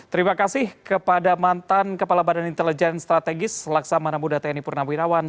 terima kasih kepada mantan kepala badan intelijen strategis laksamana muda tni purnawirawan